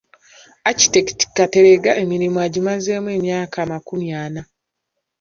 Architect Kateregga emirimu agimazeemu emyaka amakumi ana.